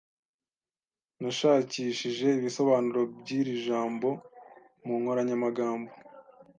Nashakishije ibisobanuro by'iri jambo mu nkoranyamagambo.